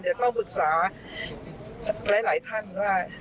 เดี๋ยวต้องปรึกษาหลายท่านว่า